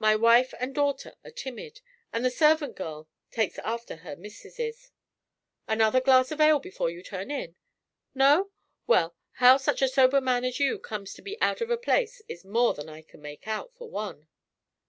My wife and daughter are timid, and the servant girl takes after her missuses. Another glass of ale before you turn in? No! Well, how such a sober man as you comes to be out of place is more than I can make out, for one.